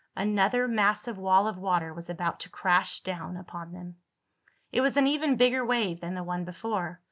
Another massive wall of water was about to crash down upon them. It was an even bigger wave than the one before.